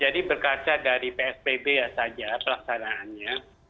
jadi berkata dari psbb saja pelaksanaannya